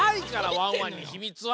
ワンワンにひみつは。